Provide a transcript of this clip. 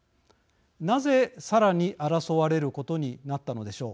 なぜ、さらに争われることになったのでしょう。